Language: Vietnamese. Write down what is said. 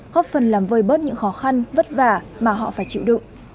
góp phần làm vơi bớt những khó khăn vất vả mà họ phải chịu đựng